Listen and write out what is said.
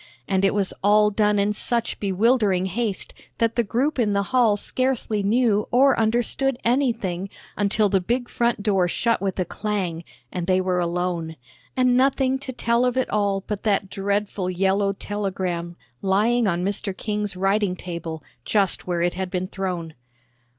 And it was all done in such bewildering haste that the group in the hall scarcely knew or understood anything until the big front door shut with a clang, and they were alone. And nothing to tell of it all but that dreadful yellow telegram lying on Mr. King's writing table just where it had been thrown.